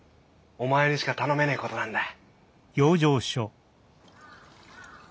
お前にしか頼めねえ事なんだ。